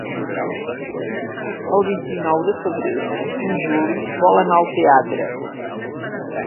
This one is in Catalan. El vint-i-nou de febrer en Juli vol anar al teatre.